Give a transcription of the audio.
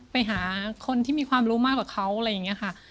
ไปหาคนที่มีความรู้มากกว่าเขาอะไรอย่างนี้ค่ะ